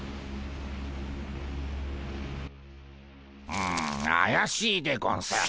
うんあやしいでゴンス。